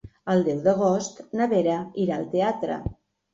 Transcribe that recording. El deu d'agost na Vera irà al teatre.